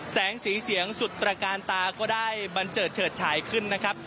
แสงสีเสียงสุดตระการตาก็ได้บันเจิดเฉิดฉายขึ้นนะครับ